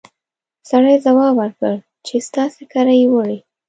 سړي ځواب ورکړ چې ستاسې کره يې وړي!